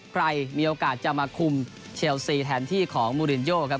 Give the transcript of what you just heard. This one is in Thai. ใครมีโอกาสจะมาคุมเชลซีแทนที่ของมูลินโยครับ